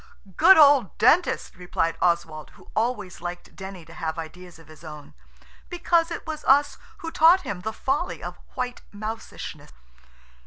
"Good old Dentist!" replied Oswald, who always likes Denny to have ideas of his own, because it was us who taught him the folly of white mousishness.